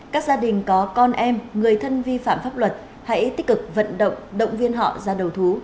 các gia đình có con em người thân vi phạm pháp luật hãy tích cực vận động động viên họ ra đầu thú